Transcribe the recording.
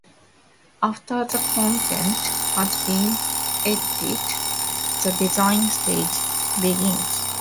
After the content has been edited, the design stage begins.